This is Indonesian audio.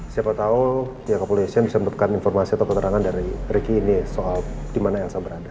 siapa tahu ya kepolisian bisa mendapatkan informasi atau keterangan dari ricky ini soal dimana elsa berada